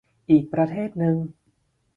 อีกประเทศหนึ่ง